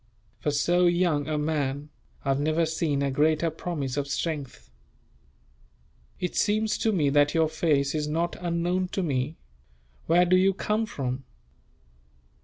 For so young a man, I have never seen a greater promise of strength. "It seems to me that your face is not unknown to me. Where do you come from?"